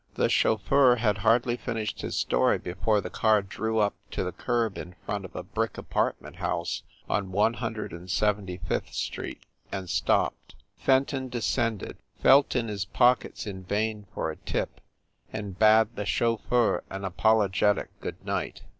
THE chauffeur had hardly finished his story be fore the car drew up to the curb in front of a brick apartment house on One Hundred and Sev enty fifth Street, and stopped. Fenton descended, felt in his pockets in vain for a tip, and bade the chauffeur an apologetic good night.